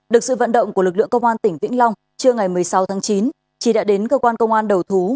được sự vận động của lực lượng công an tỉnh vĩnh long trưa ngày một mươi sáu tháng chín trí đã đến cơ quan công an đầu thú